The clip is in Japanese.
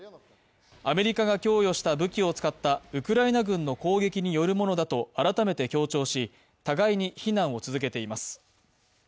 アメリカが供与した武器を使ったウクライナ軍の攻撃によるものだと改めて強調し、互いに非難を続けています。